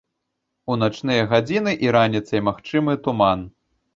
У начныя гадзіны і раніцай магчымы туман.